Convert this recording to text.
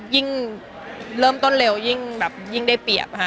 ยิ่งเริ่มต้นเร็วยิ่งแบบยิ่งได้เปรียบค่ะ